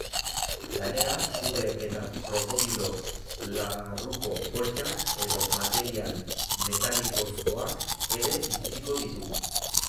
Gainera, suge edo krokodilo larruko poltsak edo material metalikozkoak ere ikusiko ditugu.